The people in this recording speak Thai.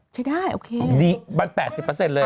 ใช้ได้โอเคดี๘๐เลย